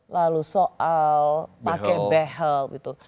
lalu soal pakai behel gitu